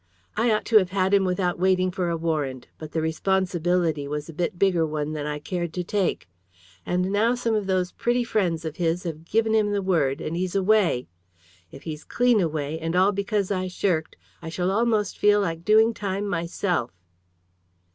I ought to have had him without waiting for a warrant, but the responsibility was a bit bigger one than I cared to take. And now some of those pretty friends of his have given him the word, and he's away. If he's clean away, and all because I shirked, I shall almost feel like doing time myself."